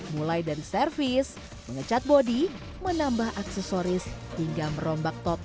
mulai dari servis mengecat bodi menambah aksesoris hingga merombak toko